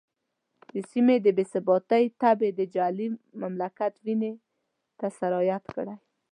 د سیمې د بې ثباتۍ تبې د جعلي مملکت وینې ته سرایت کړی.